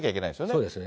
そうですね。